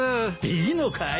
いいのかい？